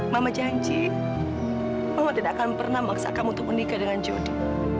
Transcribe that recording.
mama janji mama tidak akan pernah memaksa kamu untuk menikah dengan jody